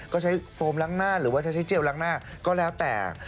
ก็ใช้โฟมล้างหน้าหรือว่าจะใช้เจลล้างหน้าก็แล้วแต่